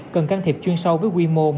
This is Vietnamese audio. cần can thiệp chuyên sâu với quy mô